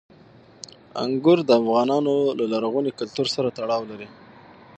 انګور د افغانانو له لرغوني کلتور سره تړاو لري.